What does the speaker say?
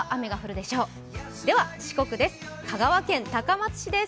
では四国です。